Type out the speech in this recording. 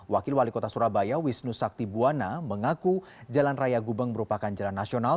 wakil wali kota surabaya wisnu sakti buwana mengaku jalan raya gubeng merupakan jalan nasional